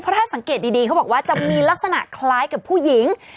ถ้าสังเกตดีเขาบอกว่าจะมีลักษณะคล้ายกับผู้หญิง